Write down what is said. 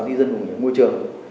duy dân của môi trường